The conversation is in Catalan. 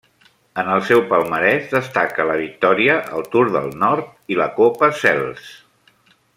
En el seu palmarès destaca la victòria al Tour del Nord i la Copa Sels.